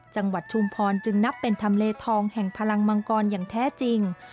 ชุมพรจึงนับเป็นทำเลทองแห่งพลังมังกรอย่างแท้จริง